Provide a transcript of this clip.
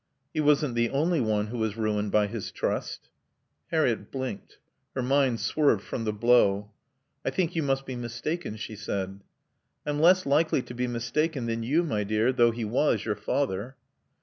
"He wasn't the only one who was ruined by his trust." Harriett blinked. Her mind swerved from the blow. "I think you must be mistaken," she said. "I'm less likely to be mistaken than you, my dear, though he was your father."